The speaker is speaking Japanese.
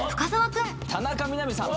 君田中みな実さん